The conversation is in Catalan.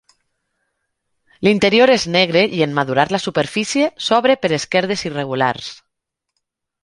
L'interior és negre i en madurar la superfície s'obre per esquerdes irregulars.